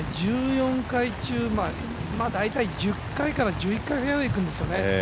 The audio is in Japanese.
１４回中、大体１０回から１１回フェアウエーいくんですよね。